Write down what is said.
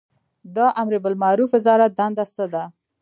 د امربالمعروف وزارت دنده څه ده؟